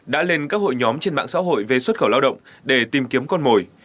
đã lên các hội nhóm trên mạng xã hội về xuất khẩu lao động để tìm kiếm con mồi